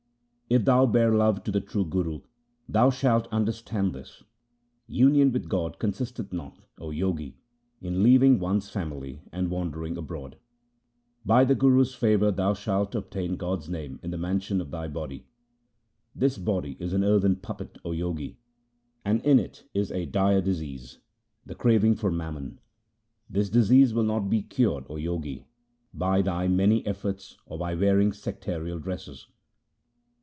If thou bear love to the true Guru, thou shalt understand this. Union with God consisteth not, O Jogi, in leaving one's family and wandering abroad. By the Guru's favour thou shalt obtain God's name in the mansion of thy body. This body is an earthen puppet, O Jogi, and in it is a dire disease — the craving for mammon. This disease will not be cured, O Jogi, by thy many efforts or by wearing sectarial dresses.